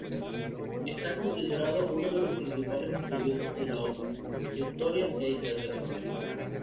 Está considerado uno de los principales estudiosos de la ópera, su historia e interpretación.